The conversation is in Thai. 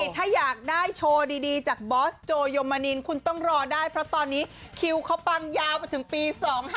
ถ้าอยากได้โชว์ดีจากบอสโจยมนินคุณต้องรอได้เพราะตอนนี้คิวเขาปังยาวไปถึงปี๒๕๖